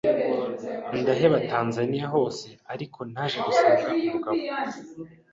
ndaheba Tanzania hose ariko naje gusanga umugabo